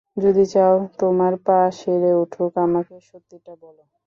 যদি চাও তোমার পা সেরে উঠুক, আমাকে সত্যিটা বলো।